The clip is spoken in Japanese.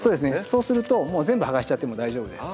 そうするともう全部剥がしちゃっても大丈夫です。